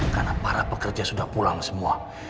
karena para pekerja sudah pulang semua